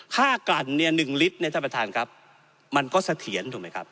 กลั่นเนี่ยหนึ่งลิตรเนี่ยท่านประธานครับมันก็เสถียรถูกไหมครับ